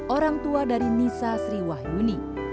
orang tua dari nisa sriwahyuni